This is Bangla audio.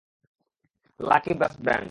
Lucky brass band.